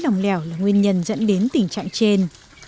lòng lẻo là nguyên nhân dẫn đến tình trạng trên